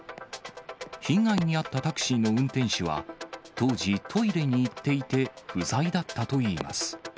被害に遭ったタクシーの運転手は当時、トイレに行っていて、不在だったといいます。